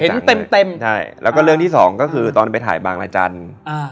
เห็นเต็มเต็มใช่แล้วก็เรื่องที่สองก็คือตอนไปถ่ายบางรายจันทร์อ่า